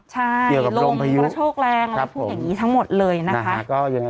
ใช่ลงพระโชคแรงลงพระภูมิอย่างนี้ทั้งหมดเลยนะคะ